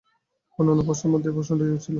অন্যান্য প্রশ্নের মধ্যে এই প্রশ্নটিও ছিল।